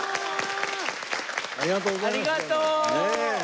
ありがとうございますどうも。